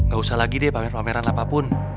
gak usah lagi deh pamer pameran apapun